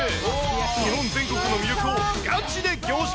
日本全国の魅力をガチで凝縮。